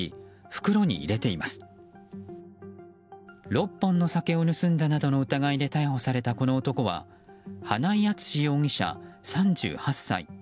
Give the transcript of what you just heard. ６本の酒を盗んだなどの疑いで逮捕された、この男は花井篤容疑者、３８歳。